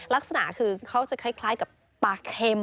ลักษณะคือเขาจะคล้ายกับปลาเค็ม